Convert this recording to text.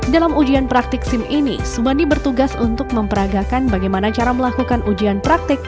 dalam ujian praktik sim ini sumandi bertugas untuk memperagakan bagaimana cara melakukan ujian praktik